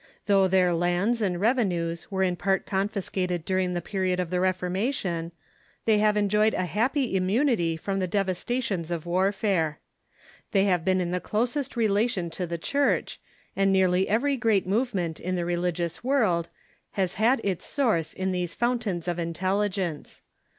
Though their lands and revenues were in part confiscated during the period of the Ref ^'ifEiTgUslfuTe' oi""ia, tion, they have enjoyed a happy immunity from the devastations of warfare. They have been in the closest relation to the Church, and nearly every great movement in the religious world has had its source in these fountains of intelligence.